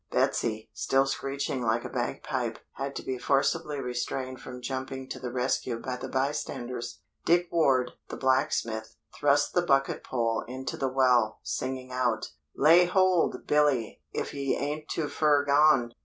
Betsy, still screeching like a bagpipe, had to be forcibly restrained from jumping to the rescue by the bystanders. Dick Ward, the blacksmith, thrust the bucket pole into the well, singing out, "Lay hold, Billy, if ye ain't too fur gone!"